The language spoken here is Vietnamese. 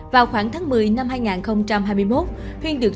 vào khoảng tháng một mươi năm hai nghìn hai mươi một